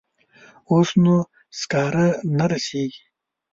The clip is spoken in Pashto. اوس نو سکاره نه رسیږي.